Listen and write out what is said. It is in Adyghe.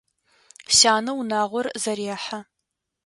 Сянэ унагъор зэрехьэ.